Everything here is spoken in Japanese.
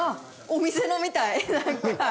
お店のみたいなんか。